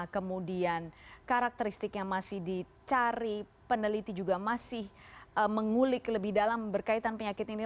kemudian karakteristiknya masih dicari peneliti juga masih mengulik lebih dalam berkaitan penyakit ini